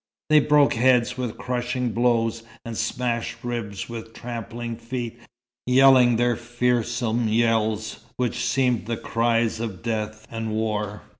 They broke heads with crushing blows, and smashed ribs with trampling feet, yelling their fearsome yells which seemed the cries of death and war.